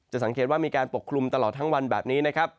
สังเกตว่ามีการปกคลุมตลอดทั้งวันแบบนี้นะครับ